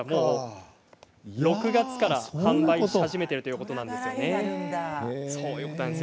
６月から販売を始めているということです。